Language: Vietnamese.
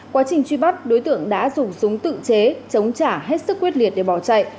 quá trình truy bắt đối tượng đã dùng súng tự chế chống trả hết sức quyết liệt để bỏ chạy